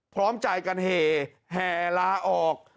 พร้อมจ่ายกันแหลลาออก